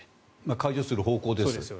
解除する方向です。